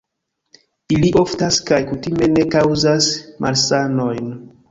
Ili oftas kaj kutime ne kaŭzas malsanojn.